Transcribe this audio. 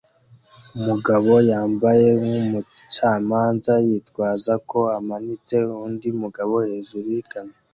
Umugabo yambaye nkumucamanza yitwaza ko amanitse undi mugabo hejuru yikamyo